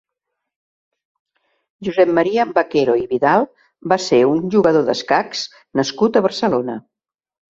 Josep Maria Baquero i Vidal va ser un jugador d'escacs nascut a Barcelona.